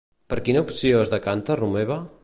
Per quina opció es decanta Romeva?